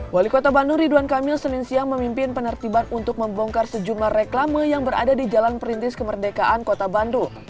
wali kota bandung ridwan kamil senin siang memimpin penertiban untuk membongkar sejumlah reklame yang berada di jalan perintis kemerdekaan kota bandung